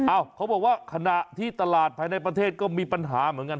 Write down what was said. เขาบอกว่าขณะที่ตลาดภายในประเทศก็มีปัญหาเหมือนกัน